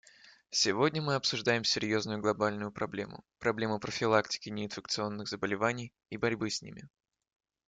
Сегодня мы обсуждаем серьезную глобальную проблему: проблему профилактики неинфекционных заболеваний и борьбы с ними.